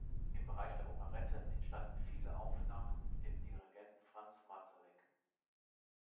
Im Bereich der Operette entstanden viele Aufnahmen mit dem Dirigenten Franz Marszalek.